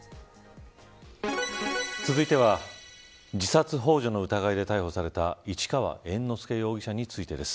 続いては、自殺ほう助の疑いで逮捕された市川猿之助容疑者についてです。